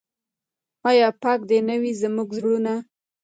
آیا پاک دې نه وي زموږ زړونه؟